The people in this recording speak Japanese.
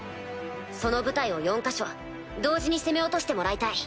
その部隊を４か所同時に攻め落としてもらいたい。